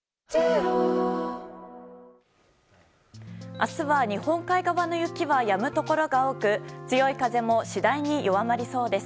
明日は、日本海側の雪はやむところが多く強い風も次第に弱まりそうです。